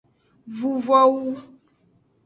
Vuvowu.